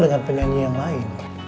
dengan penyanyi yang lain